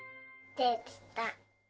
できた。